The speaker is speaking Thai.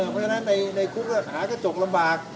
เพราะฉะนั้นในคุกก็หากระจกลำบาก